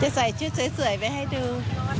ใส่ชุดสวยไปให้ดู